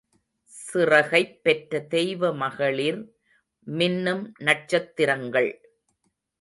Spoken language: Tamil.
சிறகைப் பெற்ற தெய்வ மகளிர், மின்னும் நட்சத்திரங்கள்.